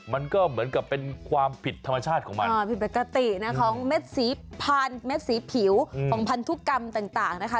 มันก็เหมือนกับเป็นความผิดธรรมชาติของมันผิดปกตินะของเม็ดสีพันธุ์เม็ดสีผิวของพันธุกรรมต่างนะคะ